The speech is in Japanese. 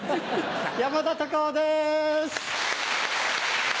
山田隆夫です。